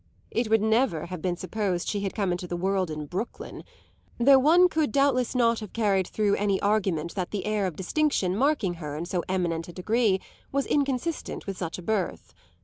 It would never have been supposed she had come into the world in Brooklyn though one could doubtless not have carried through any argument that the air of distinction marking her in so eminent a degree was inconsistent with such a birth.